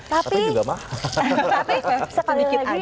tapi ini juga mahal